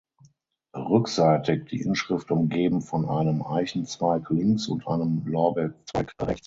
Rückseitig die Inschrift umgeben von einem Eichenzweig links und einem Lorbeerzweig rechts.